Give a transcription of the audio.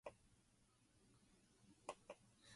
Everybody goes home to sweep out his house and homestead.